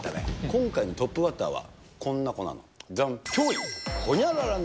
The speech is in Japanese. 今回のトップバッターは、こんな子なんです。じゃん。